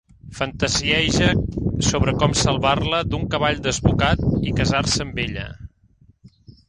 Fantasieja sobre com salvar-la d'un cavall desbocat i casar-se amb ella.